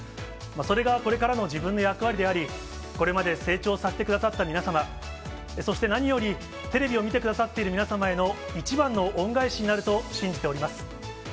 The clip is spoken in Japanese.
それがこれからの自分の役割であり、これまで成長させてくださった皆様、そして何よりテレビを見てくださっている皆様への一番の恩返しになると信じております。